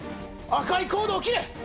赤いコードを切れ！